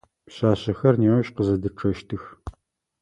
Пшъашъэхэр неущ къызэдэчъэщтых.